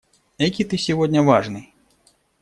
Экий ты сегодня важный!